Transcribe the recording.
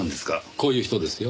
こういう人ですよ。